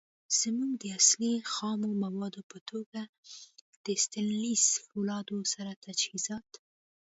زمونږ د اصلی. خامو موادو په توګه د ستينليس فولادو سره تجهیزات